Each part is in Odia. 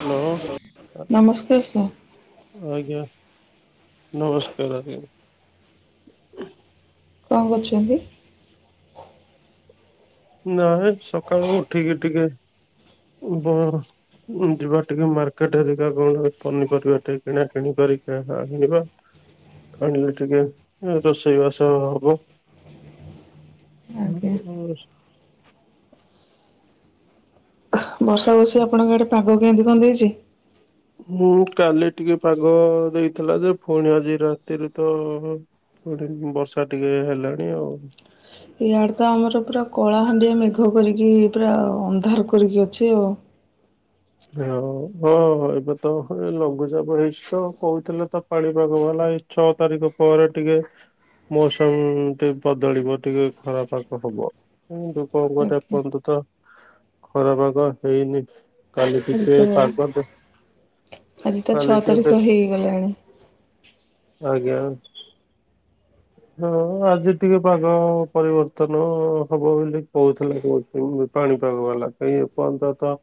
ହ୍ୟାଲୋ। ନମସ୍କାର ସାର୍ ଆଜ୍ଞା ନମସ୍କାର ଆଜ୍ଞା। କଣ କରୁଚନ୍ତି? ନାଇ ସକାଳୁ ଉଠିକି ଟିକେ ବ ଉଁ, ଯିବା ଟିକେ ମାର୍କେଟ ହେରିକା କଣ ପନିପରିବା ଟିକେ କିଣା କିଣି କରି ଆଣିବା। ଆଣିିଲେ ଟିକେ ରୋଷେଇ ବାସ ହବ। ଆଜ୍ଞା। ହ [inaudible] ବର୍ଷା ହଉସି ଆପଣଙ୍କ ଆଡେ ପାଗ କେଁନ୍ତି କଣ ଦେଇଚି? ମୁଁ କାଲି ଟିକେ ପାଗ ଦେଇଥିଲା ଯେ ପୁଣି ଆଜି ରାତିରୁ ତ ପୁଣି ବର୍ଷା ଟିକେ ହେଲାଣି ଆଉ। ଇଆଡେ ତ ଆମର ପୁରା କଳା ହାଣ୍ଡିଆ ମେଘ କରିକି ପୁରା ଅନ୍ଧାର କରିକି ଅଛି ଆଉ। ହ ହଁ ଏବେ ତ ଲଘୁଚାପ ହେଇଚି ତ କହୁଥିଲେ ତ। ପାଣିପାଗ ବାଲା ଏଇ ଛଅ ତାରିଖ ପରେ ଟିକେ ମୌସମ ଟିକେ ବଦଳିବ ଟିକେ ଖରା ପାଗ ହବ। ଆଜ୍ଞା [unintelligible] ଆଜି ଟିକେ ତ ପାଗ ଦେ ଆଜି ତ କାଲି ଛଅ ଟିକେ ଦେଖ ତାରିଖ ହେଇଗଲାଣି। ଆଜ୍ଞା। ହଁ ଆଜି ଟିକେ ପାଗ ପରିବର୍ତ୍ତନ ହବ ବୋଲି କହୁଥିଲେ କହୁଚି ମୁଁ। ପାଣିପାଗ ବାଲା କାଇଁ ଏ ପର୍ଯ୍ୟନ୍ତ ତ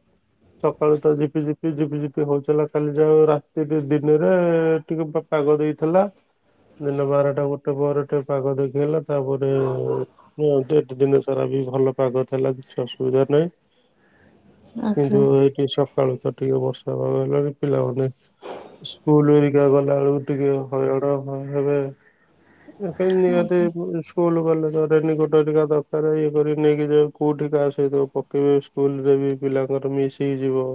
ସକାଳୁ ତ ଝିପି ଝିପି ଝିପି ଝିପି ହଉଥିଲା କାଲି ଯାଉ ରାତି ଟିକେ ଦିନେରେ ଟିକେ ପାଗ ଦେଇଥିଲା ଦିନ ବାରଟା ଗୋ ଟେ ପରେ ଟିକେ ପାଗ ଦେଖେଇଲା ତାପରେ ହୁଁ ଜିନିଷ ତାରା ବି ଭଲ ପାଗ ଥେଲା କିଛି ଅସୁବିଧା ନାହିଁ କିନ୍ତୁ ଆଜ୍ଞା ଏ ଏଇ ସକାଳୁ ତ ଟିକେ ବର୍ଷା ପାଗ ହେଲାଣି ପିଲାମାନେ ସ୍କୁଲହେରିକା ଗଲା ବଳକୁ ଟିକେ ହଇରାଣ ହ ହେବେ। ଏ ନିହାତି ଆଜ୍ଞା ସ୍କୁଲ କଲେଜ ରେନିକୋଟ ହେରିକା ଦରକାର ଇଏ କରି ନେଇକି କୋଉଠି କାହା ସହିତ ପ କେବେ ସ୍କୁଲରେ ବି ପିଲାଙ୍କର ମିସ୍ ହେଇଯିବ।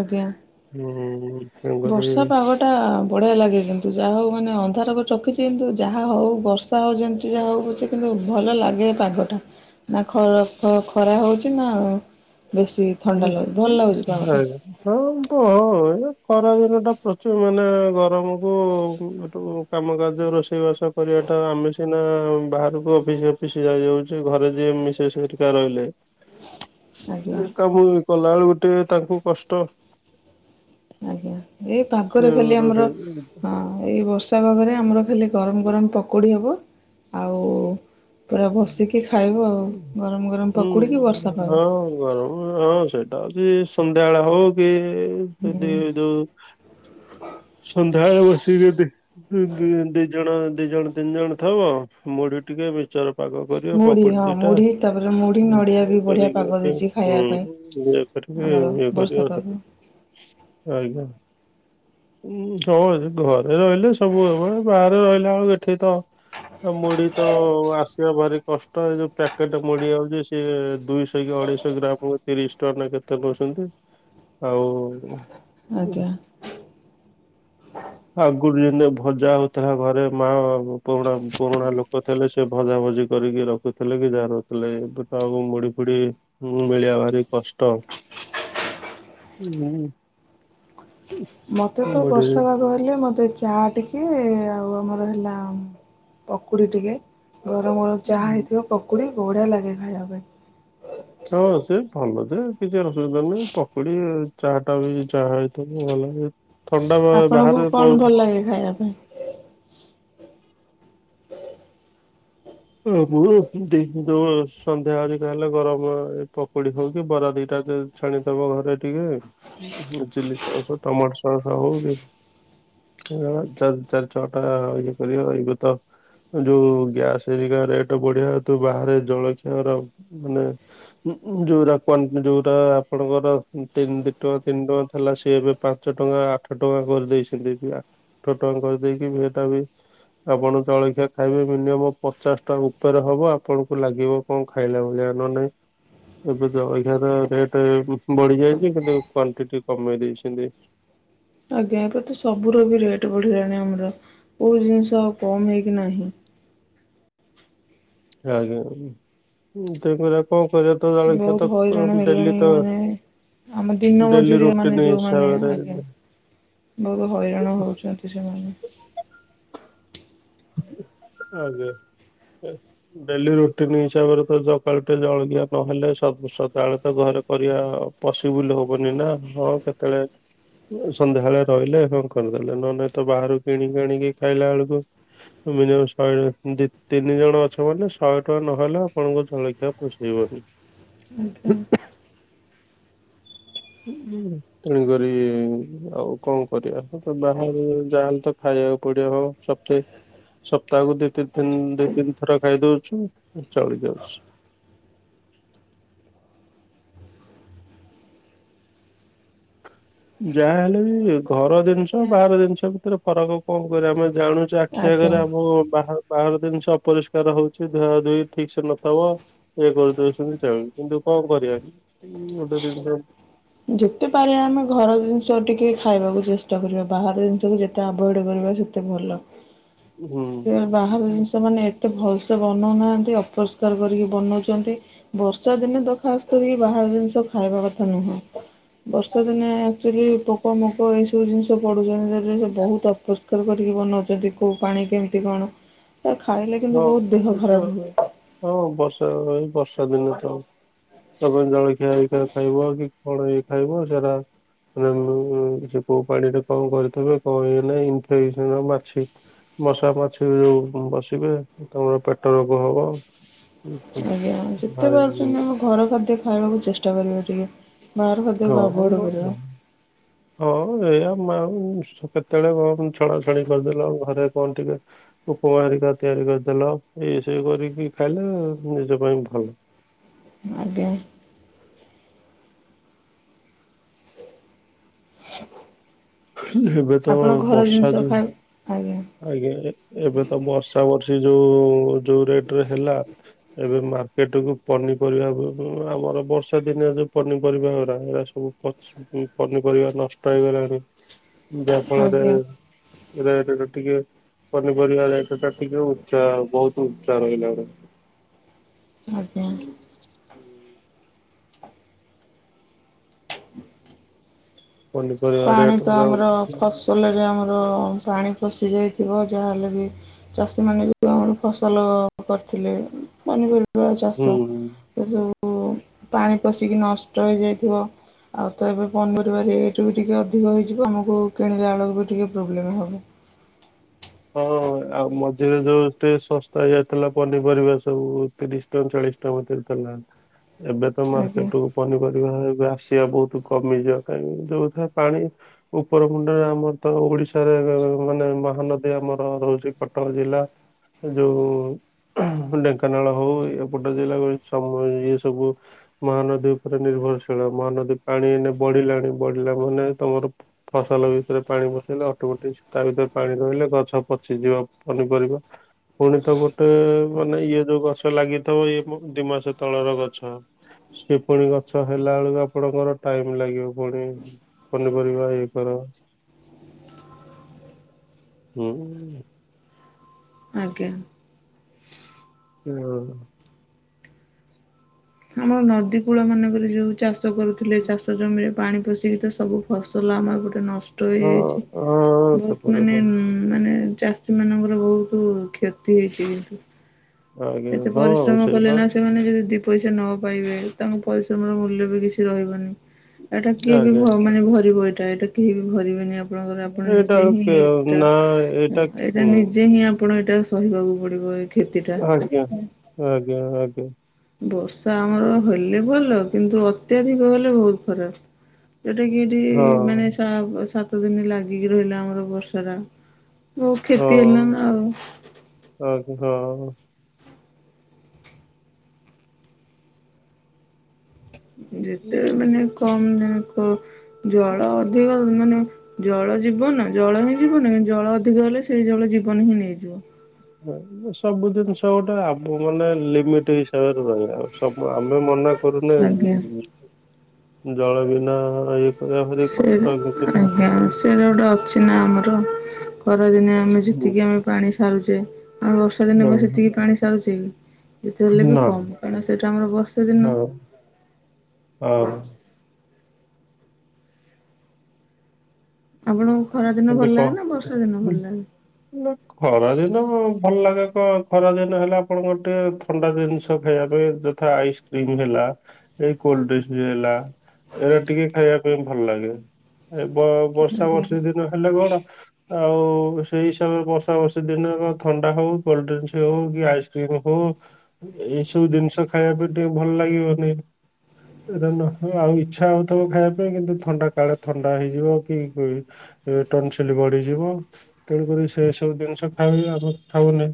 ଆଜ୍ଞା ହୁଁ ତେଣୁକରି ବର୍ଷା ହୁଁ। ପାଗରେ ଟା ବଢିଆ ଲାଗେ କିନ୍ତୁ ଯାହା ହଉ ମାନେ ଅନ୍ଧାର କରି ରଖିଚି କିନ୍ତୁ ଯାହା ହଉ ବର୍ଷ ବର୍ଷା ହଉ ଯେମିତି ଯାହାହଉ ପଛେ କିନ୍ତୁ ଭଲ ଲାଗେ ଏ ପାଗଟା। ନା ଖରା ଖରା ହଉଚି ନା ବେଶି ଥଣ୍ଡା ଲାଗୁଚି ଭଲ ଲାଗୁଚି ପାଗଟା। ହଁ ତ ହଁ ଏ ଖରାଦିନ ଟା ପ୍ରଚୁର ମାନେ ଗରମକୁ ଏଠୁ କାମ କାର୍ଯ୍ୟ ରୋଷେଇ ବାସ କରିବାଟା ଆମେ ସିନା ବାହାରକୁ ଅଫିସ ଅଫିସ୍ ଯାଇ ଯାଉଚୁ ଘରେ ଯିଏ ମିଶ ସେସ୍ ହେରିକା ରହିଲେ। ଆଜ୍ଞା। ସବୁ କଲାବେଳୁକୁ ଟିକେ ତାଙ୍କୁ କଷ୍ଟ। ଆଜ୍ଞା, ଏ ସେ ପାଗରେ ଖାଲି ଗୋଟେ ଆମର ସେ ହଁ ଏଇ ବର୍ଷା ପାଗରେ ଆମର ଖାଲି ଗରମ ଗରମ ପକୋଡି ହବ ଆଉ ପୁରା ବସିକି ଖାଇବୁ ଆଉ। ଗରମ ଗରମ ହୁଁ ପକୁଡିକି ବର୍ଷା ପାଗ। ହଁ ଗରମ ହଁ ସେଇଟା ହଉଚି ସନ୍ଧ୍ୟାବେଳେ ହଉ କି ସେଦି ଯୋଉ ହ। ସନ୍ଧ୍ୟାବେଳେ ବସିକି ଯଦି ଦି ଜଣ, ଦି ଜଣ ତିନି ଜଣ ଥବ ମୁଢି ଟିକେ ମିକ୍ସଚର ପାଗ କରିଆ ମୁଢ଼ି ପକୁଡି ହଁ ଦିଟା ମୁଢ଼ି ତାପରେ ମୁଢ଼ି ନଡ଼ିଆ ବି ବଢ଼ିଆ ପାଗ ଦେଇଛି [unintelligible] ହୁଁ ଖାଇବା ପାଇଁ ଆମର ବର୍ଷା ପାଗ [unintelligible] ଆଜ୍ଞା। ଉଁ ଘରେ ରହିଲେ ସବୁ ହବ ବାହାରେ ରହିଲା ଆଉ ଏଠି ତ ମୁଢି ତ ଆସ। ଭାରି କଷ୍ଟ ଏ ଯୋଉ ପ୍ୟାକେଟ୍ ମୁଡିଆଉଛି ସିଏ ଦୁଇଶହ କି ଅଢେଇଶହ ଗ୍ରାମ ତିରିଶ ଟା ନା କେତେ ନହୁଛନ୍ତି ଆଉ। ଆଜ୍ଞା। ଆଗରୁ ଯେମିତି ଭଜା ହଉଥିଲା ଘରେ ମା ପୁରୁଣା ପୁରୁଣା ଲୋକ ଥିଲେ ସେ ଭଜା ଭ ଜି କରିକି ରଖୁଥିଲେ କି ଯା ରହୁଥିଲେ ଏବେ ତ ଆଉ ମୁଢି ଫୁଢ଼ି ମିଳିବା ଭାରି କଷ୍ଟ। ହ ହୁଁ। ମତେ ତ ମୁଢି ବର୍ଷା ଭାଗ ହେଲେ ମତେ ଚା ଟିକେ ଆଉ ଆମର ହେଲା ପକୁଡି ଟିକେ ଗରମ ଗରମ ଚା ହେଇଥିବ ପକୁଡି ବଢିଆ ଲାଗେ ଖାଇଆ ପାଇଁ। ହଁ ସେ ଭଲ ସେ କିଛି ଅସୁବିଧା ନାହିଁ ପକୁଡି ଚାହା ଟା ବି ଚାହା ହେଇଥିବ ଭଲ ଥଣ୍ଡା ବାହାରେ ଲାଇ ଖାଇଆ ପାଇଁ। ହ ମୁ ଦେ ଗୋ ସନ୍ଧ୍ୟା ଆରିକା ହେଲେ ଗରମ ଏ ପକୁଡି ହଉ କି ବରା ଦିଟା ଛାଣିଦବ ଘରେ ଟିକେ ଚିଲି ସସ ଟମାଟୋ ସସ୍ ହଉ ଚାରି ଛଅ ଟା ଇଏ କରିବ ଏଗ ତ ଯୋଉ ଗ୍ୟାସ ସେଇବିକା ରେଟ ବଢିଆ ତୁ ବାହାରେ ଜଳଖିଆର ମାନେ ଉ ଯଉଟା କ ଯୋଉଟା ଆପଣଙ୍କର ତିନି ଦି ଟଙ୍କା ତିନି ଟଙ୍କା ଥିଲା ସିଏ ଏବେ ପାଞ୍ଚ ଟଙ୍କା ଆଠ ଟଙ୍କା କରିଦେଇଛନ୍ତି ଆଠ ଟଙ୍କା କରିଦେଇକି ଏଟା ବି ଆପଣ ଜଳଖିଆ ଖାଇବେ ମିନିମମ୍ ପଚାଶ ଟଙ୍କା ଉପରେ ହବ ଆପଣଙ୍କୁ ଲାଗିବ କଣ ଖାଇଲା ଭଳିଆ ନ ନାଇଁ। ଏବେ ତ ଅଧିକା ର ରେଟ ବଢି ଯାଇଛି କିନ୍ତୁ କ୍ଵଣ୍ଟିଟି କମେଇ ଦେଇଛନ୍ତି। ଆଜ୍ଞା ଏବେ ତ ସବୁର ର ବି ରେଟ ବଢିଲାଣି ଆମର କୋଉ ଜିନିଷ ଆଉ କମ ହେଇକି ନାହିଁ। ଆଜ୍ଞା [unintelligible] କଣ କରିବା ତ ଜଳଖିଆ ବହୁତ ତ ହଇରାଣ ଡେଲି ହେଲେଣି ତ ମାନେ ଆମ ଦିନ ଡେଲି ମଜୁରିଆ ରୁଟି ମାନେ ନ ଯୋଉମାନେ ହିସାବରେ ଆଜ୍ଞା ବହୁତ ହଇରାଣ ହଉଛନ୍ତି ସେମାନେ। ଆଜ୍ଞା। ଡେଲି ରୁଟିନ ହିସାବରେ ତ ସକାଳୁ ଟେ ଜଳଖିଆ ନହେଲେ ସ ସଦାବେଳେ ତ ଘରେ ପରିଆ ପଶିବୁଲ ହବନି ନା ହଁ କେତେବେଳେ ସନ୍ଧ୍ୟାବେଳେ ରହିଲେ କଣ କରିଦେଲେ ନହ ନେଲେ ତ ବାହାରୁ କିଣିଣିକି ଖାଇଲା ବେଳକୁ ମିନିମ ଶହେ ଦି ତିନି ଜଣ ଅଛ ମାନେ ଶହେ ଟଙ୍କା ନହେଲେ ଆପଣଙ୍କ ଜଳଖିଆ ପୋଷେଇବନି। ହ ଆଜ୍ଞା। ହୁଁ ହୁଁ। ତେଣୁ କରି ଆଉ କଣ କରିବା ତ ବାହାରେ ଯାଲେ ତ ଖାଇଆକୁ ପଡିବ। ସପ୍ତାେ ସପ୍ତାହକୁ ଦିତିି ଦି ତିନି ଥର ଖାଇ ଦଉଛୁ ଚଳି ଜାଉଛି। ଯାହା ହେଲେ ବି ଘର ଜିନିଷ ବାହାର ଜିନିଷ ଭିତରେ ଫରକ କଣ କରିବା ଆମେ ଜାଣୁ ଛୁ ଆଖି ଆଜ୍ଞା। ଆଗରେ ଆମ ବା ବାହାର ଜିନିଷ ଅପରିଷ୍କାର ହଉଛି ଧୁଆ ଧୋଇ ଠିକ ସେ ନଥବ। ଇଏ କରିଦଉଛନ୍ତି ଚାହି କିନ୍ତୁ କଣ କରିଆ ଗୋଟେ ଜିନିଷ ଯେତେ ପାରିବା ଆମେ ଘର ଜିନିଷ ଟିକେ ଖାଇବାକୁ ଚେଷ୍ଟା କରିବା ବାହାର ଜିନିଷକୁ ଯେ ତେ ଆଭଡ କରିବା ସେତେ ଭଲ ସେ ବାହାର ହୁଁ। ଜିନିଷ ମାନେ ଏତେ ଭଲସେ ବନାଉନାହାଁନ୍ତି ଅପରିଷ୍କାର କରିକି ବନାଉଛନ୍ତି ବର୍ଷା ଦିନେ ଦ ଖାସ୍ କରିକି ବାହାର ଜିନିଷ ଖାଇବା କଥା ନୁହେଁ ବର୍ଷା ଦିନେ ଆଚୁଆଲି ପୋକ ମୋକ ଏଇ ସବୁ ଜିନିଷ ପଡୁଛନ୍ତିରେ ସେ ବହୁତ ଅପ କରିକି ବନାଉଛନ୍ତି କଉ ପାଣି କେମିତି କଣ ଖାଇଲେ କିନ୍ତୁ ହଉ ବହୁତ ଦେହ ଏ ତ ଖରାପ ହୁଏ ହଁ ବର୍ଷା ଏ ବର୍ଷା ଦିନେ ତ ତା ପାଇଁ ଜଳଖିଆ ଖିଆ ଖାଇବ କି ପଳେଇ ଖାଇବ ସେଟା ମାନେ ସେ କୋଉ ପାଣି ରେ କଣ କରିଥିବେ କହ ନାାଇ ଇନଫେସନ ମାଛି ମସା ମାଛି ଯୋଉ ବସିବେ ତମର ପେଟ ରୋଗ ହବ ଆଜ୍ଞା ଯେତେ ଭାରି ପାରୁଛନ୍ତି ଆମେ ଘର ଖାଦ୍ୟ ଖାଇବାକୁ ଚେଷ୍ଟା କରିବ ଟିକେ ବାହାର ଖାଦ୍ୟ ହଁ କୁ ଆଭେଡେ କରିବ ହଁ ଏଇଆ ମ୍ୟାମ କେତେବେଳେ କଣ ଛଣାଛଣି କରିଦେଲ ଆଉ ଘରେ କଣ ଟିକେ ଉପମା ହରିକା ତିଆରି କରିଦେଲ ଏଇସବୁ କରିକି ଖାଇଲେ ନିଜ ପାଇଁ ଭଲ ଆଜ୍ଞା ଏବେ ତ ଆପଣ ଘର ବର୍ଷା ଜିନିଷ ଯୋଉ ଖାଇ ଆଜ୍ଞା ଆଜ୍ଞା ଏବେ ତ ବର୍ଷା ବର୍ଷି ଯୋଉ ଯୋଉ ରେଟ ରେ ହେଲା ଏବେ ମାର୍କେଟ କୁ ପନିପରିବା ହଉ ଥିବ ଆମର ବର୍ଷା ଦିନିଆରେ ଯୋଉ ପନିପରିବା ହ ସବୁ ପଚ ପନିପରିବା ନଷ୍ଟ ହେଇଗଲାଣି ଯାହାଫଳରେ ଆଜ୍ଞା ରେଟେ ଟିକେ ପନିପରିବା ଦାୟିତ୍ୱ ଟା ଟିକେ ଉଚ୍ଚା ବହୁତ ଉଚା ରହିଲା ଗ ଆଜ ହୁଁ ପନିପରିବା ପାଣି ରେଟ ତ ଆମର ଫସଲରେ ଆମର ପାଣି ପଷି ଯାଇଥିବ ଯାହାହେଲେ ବି ଚାଷୀମାନେ ଯେଉଁ ଆମର ଫସଲ କରିଥିଲେ ପନିପରିବା ହୁଁ ଚାଷ ଏ ଯେଉଁ ପାଣି ପଶିକି ନଷ୍ଟ ହେଇଯାଇଥିବ ଆଉ ତ ଏବେ ପନିପରିବ ସେଟା ବି ଟିକିେ ଅଧିକ ହୋଇଇଯିବ ଆମକୁ କିଣିଲା ବେଳକୁ ବି ଟିକିେ ପ୍ରୋବ୍ଲେମ୍ ହେବ ହଁ ଆଉ ମଝିରେ ଯୋଉ ଟେ ଶସ୍ତା ହେଇଯାଇଥିଲା ପନିପରିବା ସବୁ ତିରିଶ ପଇ ଚାଳିଶ ଟଙ୍କା ଗୋଟେ ଥିଲା ଏବେ ତ ଆଜ୍ଞା ମାର୍କେଟ ପନିପରିବା ଏବେ ଆସିବା ବହୁତ କମିଯିବ କାହିଁକି ଯୋଉଥିରେ ପାଣି ଉପରଖୁଣ୍ଡରେ ଆମର ତ ଓଡିଶାରେ ମାନେ ମହାନଦୀ ଆମର ରହୁଛି କଟକ ଜିଲ୍ଲା ଯୋଉ ଢେଙ୍କାନାଳ ହଉ ଏପଟେ ଜିଲ୍ଲା ସବୁ ଇଏ ସବୁ ମହାନଦୀ ଉପରେ ନିର୍ଭରଶୀଳ ମହାନଦୀ ପାଣି ଏ ଇନା ବଢିଲାଣି ବଢିଲା ମାନେ ତମର ଫସଲ ଭିତରେ ପାଣି ବସେଇଲେ ଅଟକଟେଇ ତା ଭିତରେ ପାଣି ରହିଲେ ଗଛ ପଚି ଯିବା ପନିପରିବା ପୁଣି ତ ଗୋଟେ ମାନେ ଇଏ ଯୋଉ ଗଛ ଲାଗିଥିବ ଇଏ ଦି ମାସ ତଳର ଗଛ ସେ ପୁଣି ଗଛ ହେଲା ବେଳକୁ ଆପଣଙ୍କର ଟାଇମ ଲାଗିବ ପୁଣି ପନିପରିବା ଇଏ କର ହୁଁ ଆଜ୍ଞା ହୁଁ ଆମର ନଦୀ କୂଳ ମାନଙ୍କରେ ଯୋଉ ଚାଷ କରୁଥିଲେ ଚାଷ ଜମିରେ ପାଣି ପୋଷିକି ତ ସବୁ ଫସଲ ଆମର ଗୋଟେ ନଷ୍ଟ ହଁ ହେଇଯାଇଛି ହଁ ବହୁତ ସେପଟ ମାନେ ମାନେ ଚାଷୀ ମାନଙ୍କର ବହୁତ କ୍ଷତି ହେଇଛି କିନ୍ତୁ ଆଜ୍ଞା ଏତେ ହଁ ପରିଶ୍ରମ କଲେ ସେଇବା ନା ସେମାନେ ଯଦି ଦି ପଇସା ନ ପାଇବେ ତାଙ୍କ ପରିଶ୍ରମର ମୂଲ୍ୟ ବି କିଛି ରହିବନି। ଏଇଟା କିଏ ବି ଆଜ୍ଞା ମାନେ ଭରିବ ଏଇଟା ଏଇଟା କେହି ବି ଭରିବେନି ଆପଣଙ୍କର ଆପଣ ଏଇଟା ନିଜେ ହିଁ ଏଇଟା ନା ଏଇଟା ହୁଁ ନିଜେ ହିଁ ଆପଣ ଏଇଟା ସହିବାକୁ ପଡ଼ିବ ଏ କ୍ଷତିଟା। ଆଜ୍ଞା ଆଜ୍ଞା। ବର୍ଷା ଆମର ହେଲେ ଭଲ କିନ୍ତୁ ଅତ୍ୟଧିକ ହେଲେ ବହୁତ ଖରାପ। ଯୋଉଟା କି ଏଇଠି ହଁ ମାନେ ସାତ ଦିନ ଲାଗିକି ରହିଲା ଆମର ବର୍ଷା ଟା ବହୁତ କ୍ଷତି ହେଲା ନା ଆଉ ଆଁ ହଁ [inaudible] ଯେତେ ମାନେ କମ୍ ଜଳ ଅଧିକ [unintelligible] ମାନେ ଜଳ ଜୀବନ ଜଳ ହିଁ ଜୀବନ ଜଳ ଅଧିକ ହେଲେ ସେଇ ଜଳ ଜୀବନ ହିଁ ନେଇଯିବ। ହ ସବୁ ଜିନିଷ ଗୋଟେ ଆବ ମାନେ ଲିମିଟ୍ [unintelligible] ସବୁ ଆମେ ମନା କରୁନେ ଆଜ୍ଞା ଜଳ ବିନା ଇଏ କରିବା ଭାରି ସେଟା କଷ୍ଟ କିନ୍ତୁ ଆଜ୍ଞା ସେଟା ଗୋଟେ ଅଛି ନା ଆମର। ଖରାଦିନେ ଆମେ ହୁଁ, ଯେତିକି ଆମେ ପାଣି ସାରୁଛେ ଆଉ ବର୍ଷା ଦିନେ କଣ ହୁଁ, ସେତିକି ପାଣି ସାରୁଛେ କି ଯେତେ ହେଲେବି ନା କମ୍ କାରଣ ସେଇଟା ଆମର ବର୍ଷେ ଦିନ ହଁ ହଁ। ଆପଣଙ୍କୁ ଖରା ଦିନ ଭଲ ଲାଗେନା ବର୍ଷା ଦିନ ଭଲ ଲାଗେ? ହାଲେ ଖରା ଦିନ ଭଲ ଲାଗେ କଣ ଖରା ଦିନ ହେଲେ ଆପଣଙ୍କର ଟିକେ ଥଣ୍ଡା ଜିନିଷ ଖାଇବା ପାଇଁ ଯଥା ଆଇସ୍ ଆଇସିକ୍ରିମି ହେଲା ଏଇ କୋଲଡ୍ରିଙ୍କସି ହେଲା ଏରା ଟିକେ ଖାଇବା ପାଇଁ ଭଲ ଲାଗେ, ଏ ବ ବର୍ଷା ଆଜ୍ଞା ବର୍ଷି ଦିନ ହେଲେ କଣ ଆଉ ସେଇ ହିସାବରେ ବର୍ଷା ବର୍ଷ ଦିନେ କଣ ଥଣ୍ଡା ହଉ କୋଲଡ୍ରିଙ୍କସ ହଉ କି ଆଇସ୍ କ୍ରିମ ହଉ ଏଇସବୁ ଜିନିଷ ଖାଇବା ପାଇଁ ଟିକେ ଭଲ ଲାଗିବନି ଏଇଟା ନଥିବ ଆଉ ଇଚ୍ଛା ନଥିବ ଖାଇବା ପାଇଁ କିନ୍ତୁ ଥଣ୍ଡା କାଳେ ଥଣ୍ଡା ହେଇଯିବ କି ଟନ୍ ସିଲି ବଢିଯିବ ତେଣୁକରି ସେ ସବୁ ଜିନିଷ ଖାଇଲେ ଆମ ଖାଉନେଁ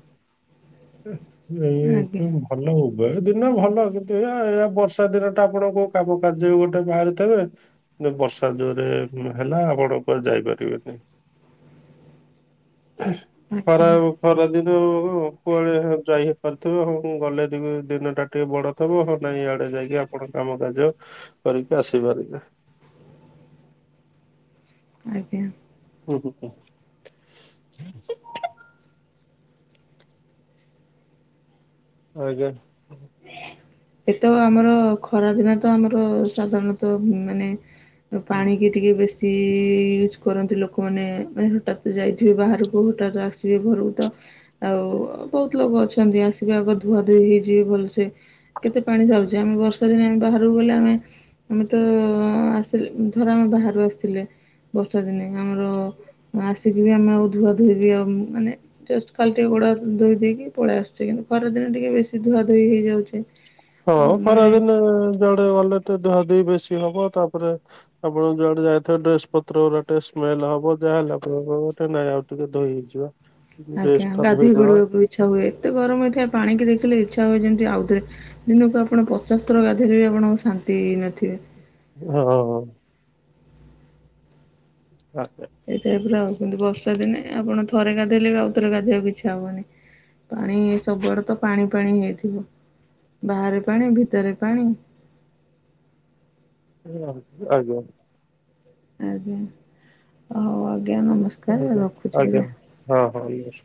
ଆଜ୍ଞା ଏଇ ଭଲ ଉଭୟ ଦିନ ଭଲ କିନ୍ତୁ ଏୟା ଏୟା ବର୍ଷା ଦିନଟା ଆପଣ କୋଉ କାମ କାର୍ଯ୍ୟରେ ଗୋଟେ ବାହାରିଥିବେ କିନ୍ତୁ ବର୍ଷା ଜୋରେ ହେଲା ଆପଣ କୁଆଡ଼େ ଯାଇପାରି [unintelligible] ଖରା ଆଜ୍ଞା ଖରାଦିନ ହୋଉ ହୋଉ କୁଆଡ଼େ ଯାଇ ହେଇ ପାରୁଥିବ ହଉ ଗଲେ ଟିକେ ଦିନଟା ଟିକେ ବଡ଼ ଥିବ ନାଇଁ ଇଆଡେ ଯାଇକି ଆପଣ କାମ କାର୍ଯ୍ୟ କରିକି ଆସିପାରିବେ। ଆଜ୍ଞା [unintelligible] ଆଜ୍ଞା। ଏଇତ ଆମର ଖରା ଦିନେ ତ ଆମର ସାଧାରଣତଃ ମାନେ ତ ପାଣି କେ ଟିକେ ବେଶୀ ୟୁଜ୍ କରନ୍ତି ଲୋକମାନେ ମାନେ ହଠାତ୍ ଯାଇଥିବେ ବାହାରକୁ ହଠାତ୍ ଆସି ସେଇ ଘରକୁ ତ ଆଉ ବହୁତ ଲୋକ ଅଛନ୍ତି ଆସିବେ ଆଗ ଧୁଆ ଧୁଇ ହେଇଯିବେ ଭଲ ସେ କେତେ ପାଣି ହଉଚି ଆମେ ବର୍ଷା ଦିନେ ଆମେ ବାହାରକୁ ଗଲେ ଆମେ ଆମେ ତ ଆସିଲେ ଧର ଆମେ ବାହାରୁ ଆସିଲେ ବର୍ଷା ଦିନେ ଆମର ଆସିକି ବି ଆମେ ଆଉ ଧୁଆ ଧୁଇ ବି ଆଉ ମାନେ ଜଷ୍ଟ ଖାଲି ଟିକେ ଗୋଡ ହାତ ଧୋଇ ଦେଇକି ପଳେଇ ଆସୁଛି କିନ୍ତୁ ଖରା ଦିନେ ଟିକେ ବେଶୀ ଧୁଆ ଧୋଇ ହେଇଯାଉଛେ ହଁ ଆଉ ମାନେ ଖରାଦିନେ ଯୁଆଡ଼େ ଗଲେ ଟିକେ ଧୁଆ ଧୋଇ ବେଶୀ ହବ ତାପରେ ଆପଣ ଯୁଆଡ଼େ ଯାଇଥିବା ଡ୍ରେସ ପତ୍ର ଗୁରା ଟିକେ ସ୍ମେଲ ହବ ଯାହାହେଲେ ଆପଣଙ୍କ [unintelligible] ନାଇଁ ଆଉ ଟିକେ ଧୋଇ ହେଇଯିବା। ଆଜ୍ଞା ଡ୍ରେସ ଟା ଗାଧୋଇ ଧୋଇଦବା ପଡ଼ିବାକୁ ଇଚ୍ଛା ହୁଏ ଏତେ ଗରମ ହେଇଥାଏ ପାଣିି ଦେଖିଲେ ଇଛା ହୁଏ ଯେମିତି ଆଉଥରେ ଦିନକୁ ଆପଣ ପଚାଶ ଥର ଗାଧେଇଲେ ବି ଆପଣ ଶାନ୍ତି ହେଇନଥିବେ। ହଁ ହଁ। [unintelligible] ଏଇ ଟାଇପ ଆଉ କିନ୍ତୁ ବର୍ଷା ଦିନେ ଆପଣ ଥରେ ଗାଧେଇଲେ ବି ଆଉଥରେ ଗାଧେଇବା କୁ ଇଚ୍ଛା ହବନି। ପାଣି ସବୁଆଡ଼େ ତ ପାଣି ପାଣି ହେଇଥିବ ବାହାରେ ପାଣି ଭିତରେ ପାଣି। [unintelligible] ଆଜ୍ଞା। ଆଜ୍ଞା ଆ ହଉ ଆଜ୍ଞା ନମସ୍କାର ରଖୁଛି ଆଜ୍ଞା। ହଁ ହଁ ଇଏସ।